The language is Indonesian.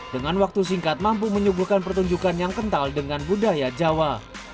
dengan waktu singkat mampu menyuguhkan pertunjukan yang kental dengan budaya jawa